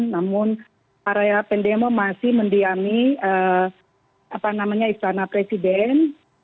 namun area pendemo masih mendiami istana presiden